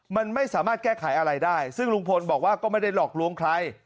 มันไม่สามารถแก้ไขอะไรได้ซึ่งลุงพลบอกว่าก็ไม่ได้หลอกลวงใคร